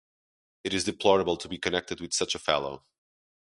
It is deplorable to be connected with such a fellow.